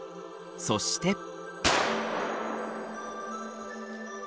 そして。